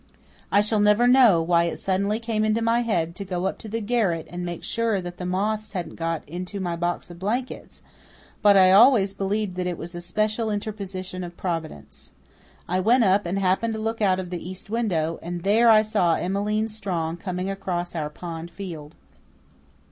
I shall never know why it suddenly came into my head to go up to the garret and make sure that the moths hadn't got into my box of blankets; but I always believed that it was a special interposition of Providence. I went up and happened to look out of the east window; and there I saw Emmeline Strong coming home across our pond field.